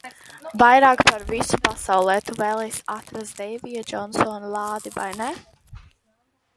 Vairāk par visu pasaulē tu vēlies atrast Deivija Džonsa lādi, vai ne?